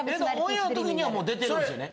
オンエアの時にはもう出てるんですよね？